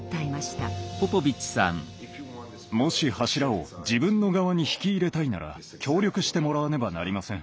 もし柱を自分の側に引き入れたいなら協力してもらわねばなりません。